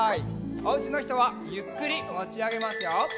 おうちのひとはゆっくりもちあげますよ。